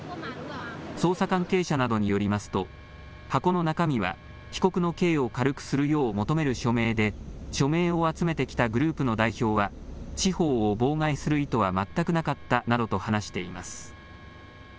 捜査関係者などによりますと箱の中身は被告の刑を軽くするよう求める署名で署名を集めてきたグループの代表は司法を妨害する意図は全くなかったなどと話しています。